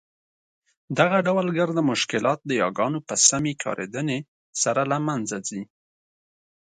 دغه ډول ګرده مشکلات د یاګانو په سمي کارېدني سره له مینځه ځي.